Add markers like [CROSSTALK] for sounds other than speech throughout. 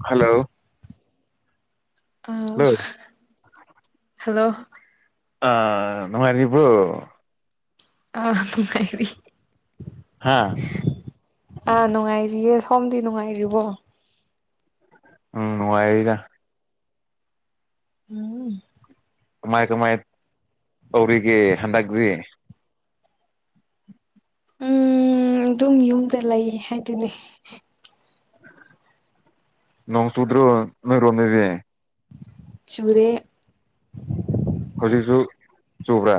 hello ꯑ hello hello ꯑ ꯅꯨꯡꯉꯥꯏꯅꯤꯕ꯭ꯔꯣ ꯑ ꯀꯔꯤ ꯑꯥ ꯑꯥ ꯅꯨꯡꯉꯥꯏꯔꯤꯌꯦ ꯁꯣꯝꯗꯤ ꯅꯨꯡꯉꯥꯏꯔꯤꯕꯣ ꯎꯝ ꯅꯨꯡꯉꯥꯏꯔꯤꯗ ꯎꯝ ꯀꯃꯥꯏ ꯀꯃꯥꯏ ꯇꯧꯔꯤꯒꯦ ꯍꯟꯗꯛꯒ꯭ꯔꯤ ꯎꯝ ꯑꯗꯨꯝ ꯌꯨꯝꯗ ꯂꯩ ꯍꯥꯏꯗꯨꯅꯤ ꯅꯣꯡ ꯆꯨꯗ꯭ꯔꯣ ꯅꯣꯏ ꯔꯣꯝꯗꯗꯤ ꯆꯨꯨꯔꯦ ꯍꯧꯖꯤꯛꯁꯨ ꯆꯨꯒ꯭ꯔꯦ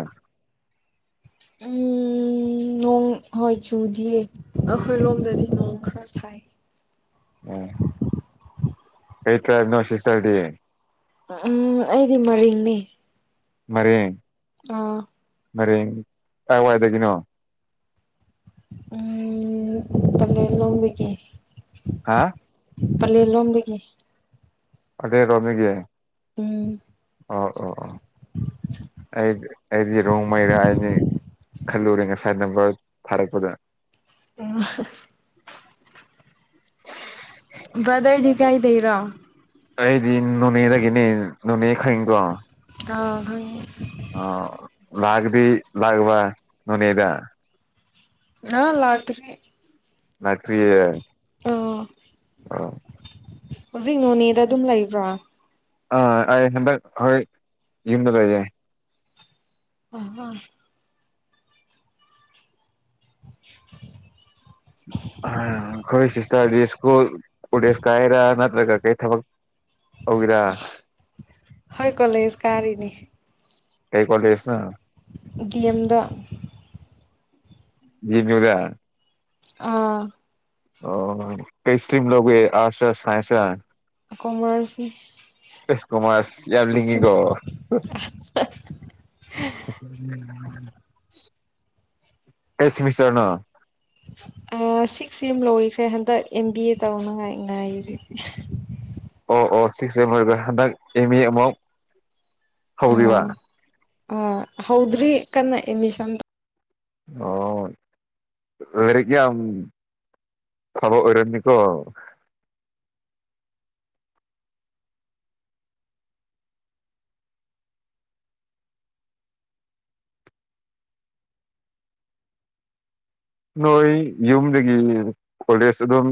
ꯎꯝ ꯅꯣꯡ ꯍꯣꯏ ꯆꯨꯗꯤꯌꯦ ꯑꯩꯈꯣꯏ ꯔꯣꯝꯗꯗꯤ ꯅꯣꯡ ꯈꯔ ꯁꯥꯏ ꯑꯥ ꯀꯩ ꯇ꯭ꯔꯥꯞ ꯅꯣ ꯁꯤꯁꯇ꯭ꯔꯗꯤ ꯎꯝ ꯑꯩꯗꯤ ꯃꯔꯤꯡꯅꯦ ꯃꯔꯤꯡ ꯑꯥ ꯃꯔꯤꯡ ꯀꯥꯏꯋꯥꯏꯗꯒꯤꯅꯣ ꯎꯝ ꯄꯂꯦꯟ ꯂꯣꯝꯗꯒꯤ ꯍꯥ ꯄꯥꯂꯦꯟ ꯂꯣꯝꯗꯒꯤ ꯄꯂꯦꯟꯂꯣꯝꯗꯒꯤ ꯎꯝ ꯑꯣ ꯑꯣ ꯑꯣ ꯑꯩ ꯑꯩꯗꯤ ꯔꯣꯡꯃꯩꯔ ꯍꯥꯏꯕꯅꯤ ꯈꯜꯂꯨꯔꯦ ꯉꯁꯥꯏ ꯅꯝꯕꯔ ꯊꯥꯔꯛꯄꯗ ꯑ ꯍ [INAUDIBLE] ꯕꯗ꯭ꯔꯗꯤ ꯀꯥꯏꯗꯩꯔꯣ ꯑꯩꯗꯤ ꯅꯣꯅꯦꯗꯒꯤꯅꯦ ꯅꯣꯅꯦ ꯈꯪꯉꯤꯀꯣ ꯑꯥ ꯈꯪꯉꯦ ꯑꯥ ꯂꯥꯛꯑꯒꯗꯤ ꯂꯥꯛꯑꯕ ꯅꯣꯅꯦꯗ ꯑꯥ ꯂꯥꯛꯇ꯭ꯔꯤ ꯂꯥꯛꯇ꯭ꯔꯤꯌꯦ ꯑꯥ ꯑꯣ ꯍꯨꯖꯤꯛ ꯅꯣꯅꯦꯗ ꯑꯗꯨꯝ ꯂꯩꯕ꯭ꯔꯣ ꯑ ꯑꯩ ꯍꯟꯗꯛ ꯍꯣꯏ ꯌꯨꯝꯗ ꯂꯩꯌꯦ ꯑ ꯍ [INAUDIBLE] ꯀꯔꯤ ꯁ꯭ꯀꯨꯜ ꯀꯣꯂꯦꯁ ꯀꯥꯏꯔ ꯅꯠꯇ꯭ꯔꯒ ꯀꯩ ꯊꯕꯛ ꯇꯧꯒꯦꯔꯥ ꯍꯣꯏ ꯀꯣꯂꯦꯖ ꯀꯥꯔꯤꯅꯦ ꯀꯩ ꯀꯣꯂꯦꯖ ꯅꯣ ꯗꯤ ꯑꯦꯝꯗ ꯗꯤ ꯑꯦꯝ ꯌꯨ ꯗ ꯑꯥ ꯑꯣ ꯀꯩ ꯏꯁꯇ꯭ꯔꯤꯝ ꯂꯧꯒꯦ ꯑꯥꯔꯠꯁ ꯔ ꯁꯥꯏꯟꯁ ꯔ ꯀꯣꯃ꯭ꯔꯁ ꯅꯤ ꯏꯁ ꯀꯣꯃ꯭ꯔꯁ ꯌꯥꯝ ꯂꯤꯡꯉꯤꯀꯣ ꯀꯩ ꯁꯦꯃꯤꯁꯇ꯭ꯔꯅꯣ ꯑꯥ ꯁꯤꯛꯁ ꯇꯤꯝ ꯂꯣꯏꯈ꯭ꯔꯦ ꯍꯟꯗꯛ ꯑꯦꯝ ꯕꯤ ꯑꯦ ꯇꯧꯅꯉꯥꯏ ꯉꯥꯏꯔꯤ ꯑꯣ ꯑꯣ ꯁꯤꯛꯁ ꯁꯦꯝ ꯂꯣꯏꯒ꯭ꯔꯦ ꯍꯟꯗꯛ ꯑꯦꯝ ꯃꯦ ꯑꯃꯨꯛ ꯍꯧꯔꯤꯕ ꯑꯝ ꯍꯧꯗ꯭ꯔꯤ ꯀꯟꯅ ꯑꯦꯠꯃꯤꯁꯟ ꯑꯣ ꯂꯩꯔꯤꯛ ꯌꯥꯝ ꯐꯕ ꯑꯣꯏꯔꯝꯅꯤꯀꯣ ꯅꯣꯏ ꯌꯨꯝꯗꯒꯤ ꯀꯣꯂꯦꯖ ꯑꯗꯨꯝ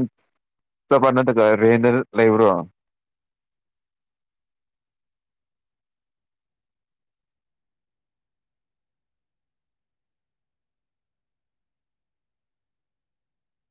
ꯆꯠꯄ꯭ꯔ ꯅꯠꯇ꯭ꯔꯒ ꯔꯦꯠꯗ ꯂꯩꯕ꯭ꯔꯣ